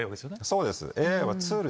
そうです。